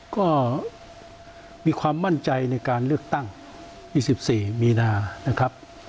ก็มีความมั่นใจในการเลือกตั้ง๒๔มีนานะครับ